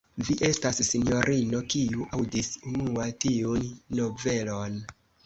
Vi estas, sinjorino, kiu aŭdis unua tiun novelon.